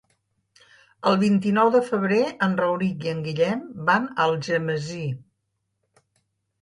El vint-i-nou de febrer en Rauric i en Guillem van a Algemesí.